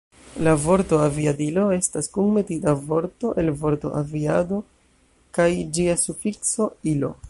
La vorto Aviadilo estas kunmetita vorto el vorto aviado kaj ĝia sufikso, -ilo.